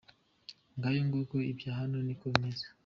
Ngayo nguko ibya hano niko bimeze.